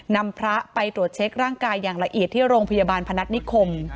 นำพระไปตรวจเช็คร่างกายอย่างละเอียดที่โรงพยาบาลพนัฐนิคม